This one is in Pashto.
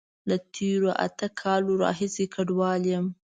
له تیرو اته کالونو راهیسی کډوال یم